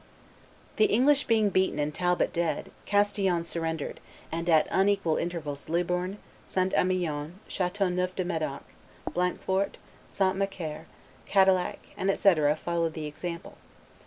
The English being beaten and Talbot dead, Castillon surrendered; and at unequal intervals Libourne, St. Emillon, Chateau Neuf de Medoc, Blanquefort, St. Macaire, Cadillac, &c., followed the example.